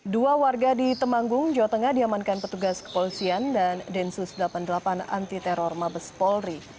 dua warga di temanggung jawa tengah diamankan petugas kepolisian dan densus delapan puluh delapan anti teror mabes polri